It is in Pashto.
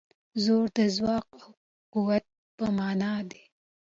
زور د ځواک او قوت په مانا دی.